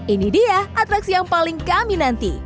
ini dia atraksi yang paling kami nanti